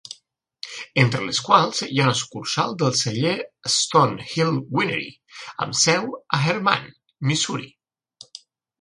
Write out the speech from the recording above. Entre les quals hi ha una sucursal del celler Stone Hill Winery, amb seu a Hermann, Missouri.